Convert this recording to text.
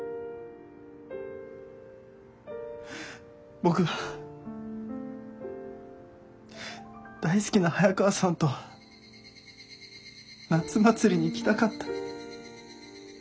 僕は大好きな早川さんと夏祭りに行きたかった。